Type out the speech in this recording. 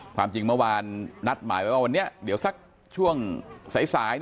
ความจริงเมื่อวานนัดหมายไว้ว่าวันนี้เดี๋ยวสักช่วงสาย